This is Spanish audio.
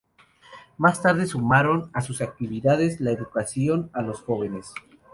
Más tarde, sumaron a sus actividades la educación a los jóvenes.